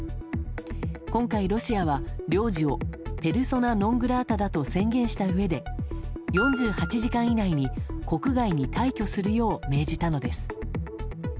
今回、ロシアは領事をペルソナ・ノン・グラータだと宣言したうえで４８時間以内に国外に退去するよう命じたのです。